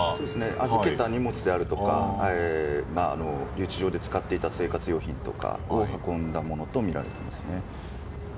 預けた荷物であるとか留置所で使っていた生活用品とかを運んだものとみられますね。